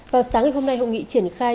vào sáng ngày hôm nay hội nghị triển khai